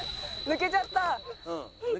「抜けちゃった」。